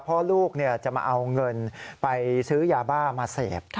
เพราะลูกจะมาเอาเงินไปซื้อยาบ้ามาเสพ